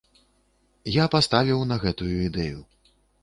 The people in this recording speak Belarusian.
Я паставіў на гэтую ідэю!